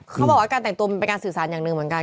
เขาบอกว่าการแต่งตัวมันเป็นการสื่อสารอย่างหนึ่งเหมือนกัน